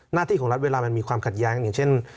หน้าที่ของรัฐเวลามันมีความขัดแย้งอย่างเช่น